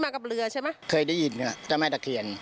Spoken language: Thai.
เคยได้ยินเจ้าแม่ตะเคียน